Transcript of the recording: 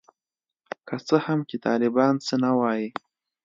که څه هم چي طالبان څه نه وايي.